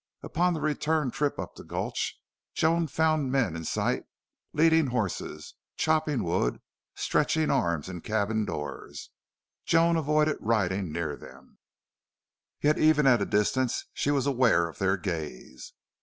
Upon the return trip up the gulch Joan found men in sight leading horses, chopping wood, stretching arms in cabin doors. Joan avoided riding near them, yet even at a distance she was aware of their gaze.